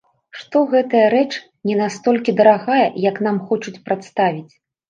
Што гэтая рэч не настолькі дарагая, як нам хочуць прадставіць.